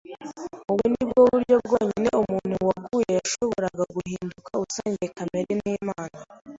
Ubu ni bwo buryo bwonyine umuntu waguye yashoboraga guhinduka usangiye kamere n’Imana.